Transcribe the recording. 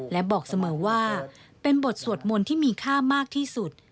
และบอกเสมอว่าเป็นบทสวดมนต์ที่มีค่ามากที่สุด